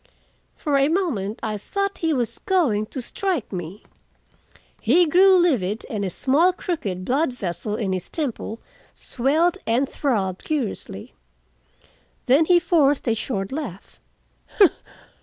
For a moment I thought he was going to strike me. He grew livid, and a small crooked blood vessel in his temple swelled and throbbed curiously. Then he forced a short laugh.